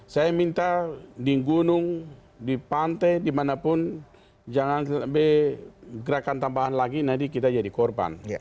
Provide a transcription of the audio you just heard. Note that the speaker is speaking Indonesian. saya minta di gunung di pantai dimanapun jangan sampai gerakan tambahan lagi nanti kita jadi korban